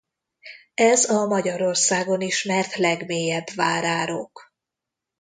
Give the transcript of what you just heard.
Ez a Magyarországon ismert legmélyebb várárok.